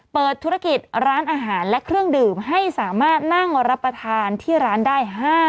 เปิดธุรกิจร้านอาหารและเครื่องดื่มให้สามารถนั่งรับประทานที่ร้านได้